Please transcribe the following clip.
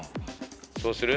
そうする？